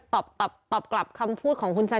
ตอบกลับคำพูดของคุณแซน